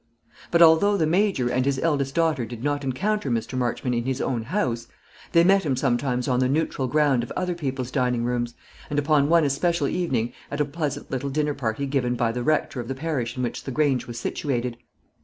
But although the Major and his eldest daughter did not encounter Mr. Marchmont in his own house, they met him sometimes on the neutral ground of other people's dining rooms, and upon one especial evening at a pleasant little dinner party given by the rector of the parish in which the Grange was situated.